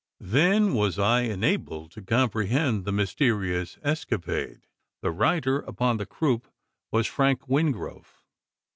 Then was I enabled to comprehend the mysterious escapade. The rider upon the croup was Frank Wingrove!